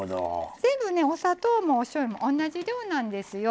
全部ねお砂糖もおしょうゆも同じ量なんですよ。